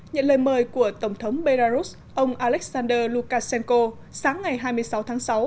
nhận lời mời của tổng thống belarus ông alexander lukashenko sáng ngày hai mươi sáu tháng sáu